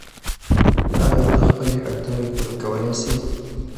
آیا ته خپلې اړتیاوې پوره کولای سې؟